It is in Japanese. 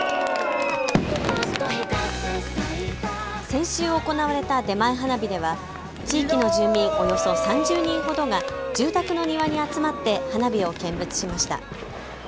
先週行われた出前花火では地域の住民およそ３０人ほどが住宅の庭に集まって花火を見物しました。